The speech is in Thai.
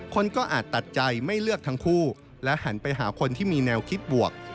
คนก็อาจตัดใจไม่เลือกทั้งคู่และหันไปหาคนที่มีแนวคิดบวก